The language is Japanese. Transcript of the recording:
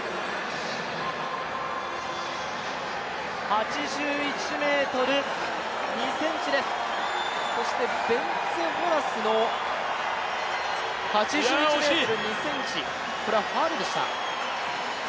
８１ｍ２ｃｍです、そしてベンツェ・ホラスも８１ｍ２ｃｍ、これはファウルでした。